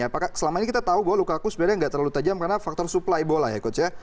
apakah selama ini kita tahu bahwa lukaku sebenarnya nggak terlalu tajam karena faktor supply bola ya coach ya